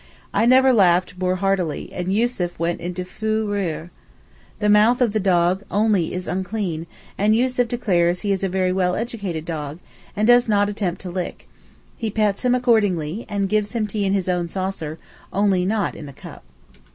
I never laughed more heartily, and Yussuf went into fou rire. The mouth of the dog only is unclean, and Yussuf declares he is a very well educated dog, and does not attempt to lick; he pets him accordingly, and gives him tea in his own saucer, only not in the cup.